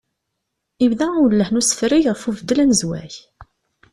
Ibda uwelleh n ussefrey ɣef ubeddel anezway.